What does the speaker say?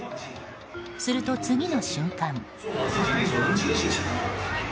すると、次の瞬間。